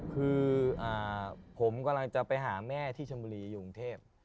คือผมกำลังจะไปหาแม่ที่ชมบุรีอยู่กรุงเทพ